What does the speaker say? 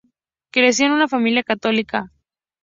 Creció en una familia católica.